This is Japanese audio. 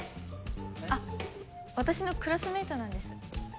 あっ私のクラスメートなんです。